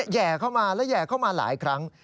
แห่เข้ามาและแห่เข้ามาหลายครั้ง